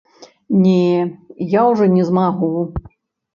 Не, я ўжо не змагу.